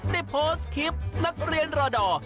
ได้โพสต์คลิปนักเรียนรอดอร์